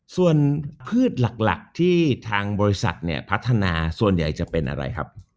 ส่วนพืชหลักที่ทางบริษัทเนี่ยพัฒนาส่วนใหญ่จะเป็นอะไรครับ